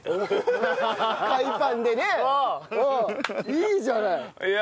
いいじゃない。